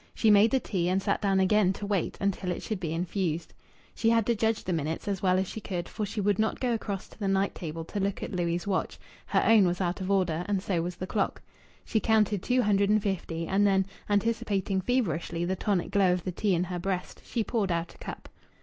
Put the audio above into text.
She made the tea, and sat down again to wait until it should be infused. She had to judge the minutes as well as she could, for she would not go across to the night table to look at Louis' watch; her own was out of order, and so was the clock. She counted two hundred and fifty, and then, anticipating feverishly the tonic glow of the tea in her breast, she poured out a cup.